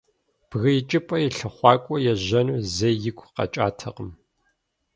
Бгы икӀыпӀэ и лъыхъуакӀуэ ежьэну зэи игу къэкӀатэкъым.